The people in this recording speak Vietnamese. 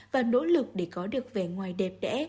và nỗ lực để có được vẻ ngoài đẹp đẽ